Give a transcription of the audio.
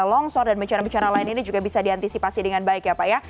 longsor dan bencana bicara lain ini juga bisa diantisipasi dengan baik ya pak ya